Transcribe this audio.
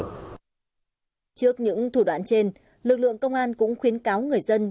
trước những thủ đoạn trên lực lượng công an cũng khuyến cáo người dân